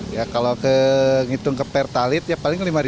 ya kalau ngitung ke pertalit ya paling lima an ya